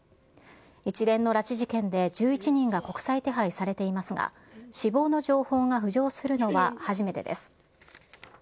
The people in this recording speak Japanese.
一連の拉致事件で、１１人が国際手配されていますが、死亡の情報が浮上するのは初めてです。